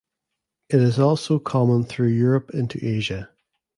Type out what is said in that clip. It is also common through Europe into Asia.